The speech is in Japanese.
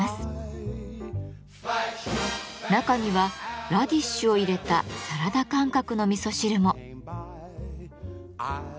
中にはラディッシュを入れたサラダ感覚の味噌汁も。